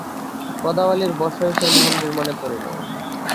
পদাবলীর বর্ষাভিসার মহেন্দ্রের মনে পড়িল।